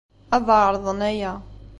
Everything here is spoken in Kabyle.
Ad ɛerḍen aya.